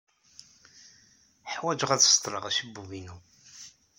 Ḥwajeɣ ad seḍḍleɣ acebbub-inu.